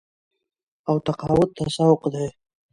او تقاعد ته سوق دي